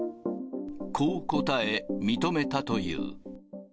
こう答え、認めたという。